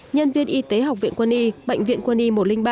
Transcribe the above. nhân viên y tế học viện quân y bệnh viện quân y một trăm linh bảy